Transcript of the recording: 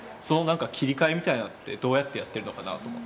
切り替えみたいなのってどうやってやってるのかなと思って。